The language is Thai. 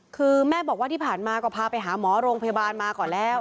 คือแม่บอกว่าที่ผ่านมาก็พาไปหาหมอโรงพยาบาลมาก่อนแล้ว